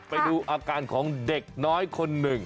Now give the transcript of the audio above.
ไปดูอาการของเด็กน้อยคนหนึ่ง